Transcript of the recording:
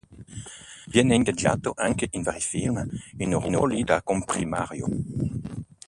Viene ingaggiato anche in vari film, in ruoli da comprimario.